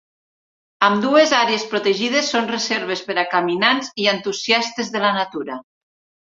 Ambdues àrees protegides són reserves per a caminants i entusiastes de la natura.